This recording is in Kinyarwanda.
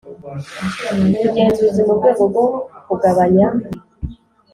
ubugenzuzi mu rwego rwo kugabanya